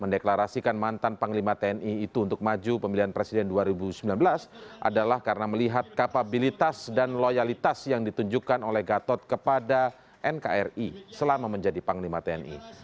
mendeklarasikan mantan panglima tni itu untuk maju pemilihan presiden dua ribu sembilan belas adalah karena melihat kapabilitas dan loyalitas yang ditunjukkan oleh gatot kepada nkri selama menjadi panglima tni